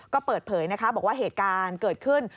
ก็เปิดเผยนะคะบอกว่าเหตุการณ์เกิดขึ้น